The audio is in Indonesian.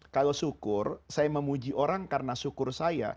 kalau syukur saya memuji orang karena syukur saya